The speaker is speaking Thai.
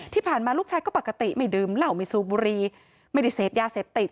ที่ผ่านมาลูกชายก็ปกติไม่ดื่มเหล้าไม่สูบบุรีไม่ได้เสพยาเสพติด